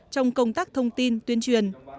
trong công tác thông tin tuyên truyền